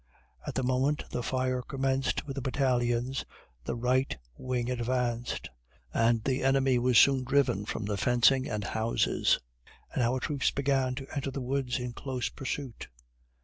At the moment the fire commenced with the battalions, the right wing advanced, and the enemy was soon driven from the fencing and houses, and our troops began to enter the woods in close pursuit.